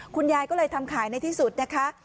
คุณยายก็เลยทำขายในที่สุดนะคะ